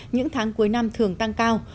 những tháng cuối năm thường tăng cao